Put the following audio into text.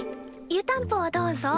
湯たんぽをどうぞ。